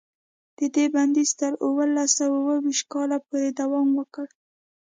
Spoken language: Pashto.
د دې بندیز تر اوولس سوه اوه ویشت کاله پورې دوام وکړ.